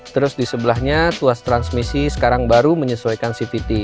terus di sebelahnya tuas transmisi sekarang baru menyesuaikan cvt